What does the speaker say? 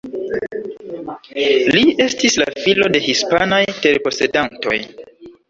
Li estis la filo de hispanaj terposedantoj.